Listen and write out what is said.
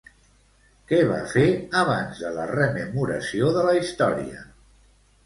Què va fer abans de la rememoració de la història?